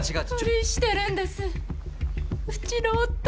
不倫してるんですうちの夫。